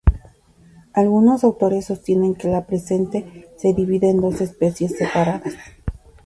Algunos autores sostienen que la presente se divide en dos especies separadas.